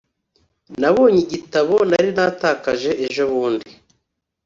nabonye igitabo nari natakaje ejobundi.